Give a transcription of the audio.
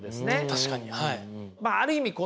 確かにはい。